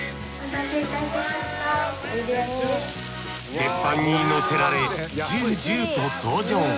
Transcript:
鉄板にのせられジュージューと登場。